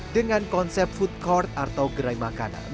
dengan konsep food court atau gerai makanan